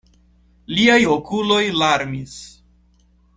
Liaj okuloj larmis.